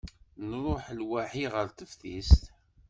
Nruḥ lwaḥi ɣer teftist.